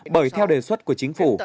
bởi theo đề xuất của chính phủ